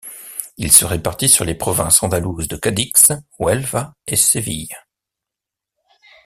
Ils se répartissent sur les provinces andalouses de Cadix, Huelva et Séville.